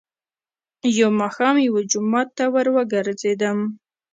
. يو ماښام يوه جومات ته ور وګرځېدم،